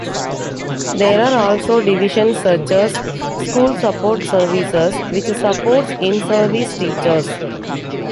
There are also divisions such as "School Support Services", which supports in-service teachers.